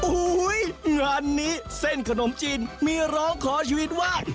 โอ้โหงานนี้เส้นขนมจีนมีร้องขอชีวิตวาด